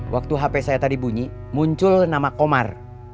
waktu hp saya tadi bunyi muncul nama komar